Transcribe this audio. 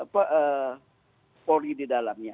kapolri di dalamnya